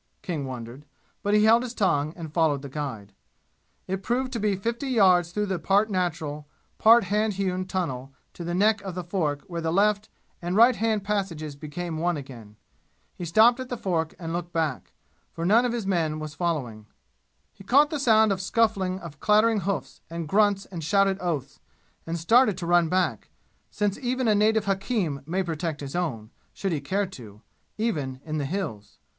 King wondered, but he held his tongue and followed the guide. It proved to be fifty yards through part natural, part hand hewn, tunnel to the neck of the fork where the left and right hand passages became one again. He stopped at the fork and looked back, for none of his men was following. He caught the sound of scuffling of clattering hoofs, and grunts and shouted oaths and started to run back, since even a native hakim may protect his own, should he care to, even in the "Hills."